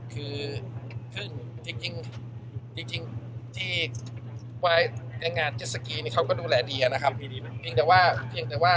คือขึ้นจริงที่ในงานเจ็ดสกีเนี่ยเขาก็ดูแลดีอ่ะนะครับ